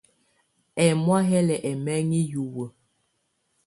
Ɛmɔ̀á hɛ lɛ ɛmɛŋɛ hiwǝ́.